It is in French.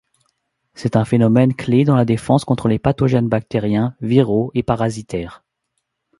C’est un phénomène clé dans la défense contre les pathogènes bactériens, viraux et parasitaires.